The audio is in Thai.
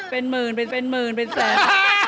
เป็นหมื่นเป็นหมื่นเป็นแสน